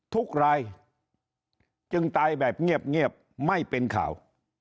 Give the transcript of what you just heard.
ทุกรายจึงตายแบบเงียบไม่เป็นข่าว